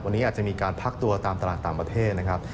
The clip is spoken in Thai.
วันนี้อาจจะมีการพักตัวตามตลาดต่างประเทศนะครับ